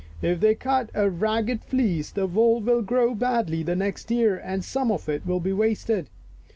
If they cut a ragged fleece the wool will grow badly the next year and some of it will be wasted.